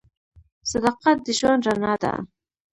صداقت د ژوند رڼا ده.